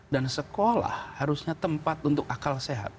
dan sekolah harusnya tempat untuk akal sehat